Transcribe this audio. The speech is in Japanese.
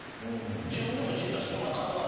自分でも実はそんな。